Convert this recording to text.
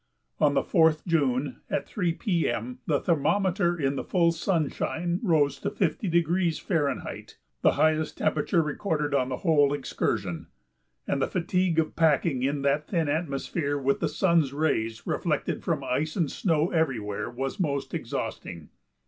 On the 4th June, at 3 P. M., the thermometer in the full sunshine rose to 50° F. the highest temperature recorded on the whole excursion and the fatigue of packing in that thin atmosphere with the sun's rays reflected from ice and snow everywhere was most exhausting.